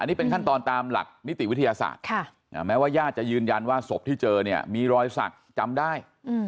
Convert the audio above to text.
นี่เป็นขั้นตอนตามหลักนิติวิทยาศาสตร์แม้ว่าญาติจะยืนยันว่าศพที่เจอเนี่ยมีรอยสักจำได้